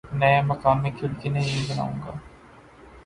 نئے مکان میں کھڑکی نہیں بناؤں گا